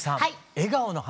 「笑顔の花」。